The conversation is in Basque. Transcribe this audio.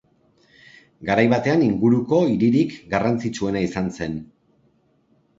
Garai batean inguruko hiririk garrantzitsuena izan zen.